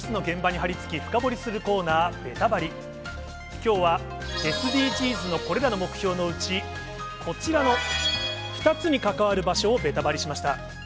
きょうはＳＤＧｓのこれらの目標のうち、こちらの２つに関わる場所をベタバリしました。